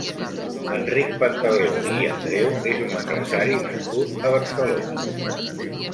Enric Pantaleoni i Andreu és un empresari nascut a Barcelona.